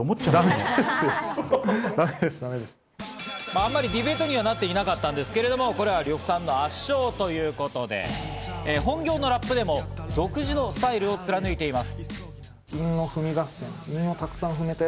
あんまりディベートにはなっていなかったんですけど、呂布さんの圧勝ということで、本業のラップでも独自のスタイルを貫いています。